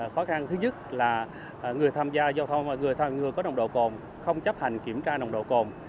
khó khăn thứ nhất là người tham gia giao thông người có nồng độ cồn không chấp hành kiểm tra nồng độ cồn